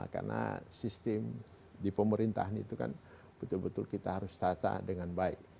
karena sistem di pemerintahan itu kan betul betul kita harus tata dengan baik